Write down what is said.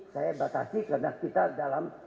saya batasi karena kita dalam